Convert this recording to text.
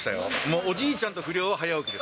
おじいちゃんと不良は早起きです。